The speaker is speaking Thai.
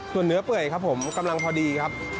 ส่วนเนื้อเปื่อยครับผมกำลังพอดีครับ